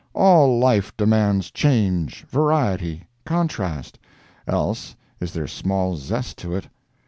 All life demands change, variety, contrast—else is there small zest to it.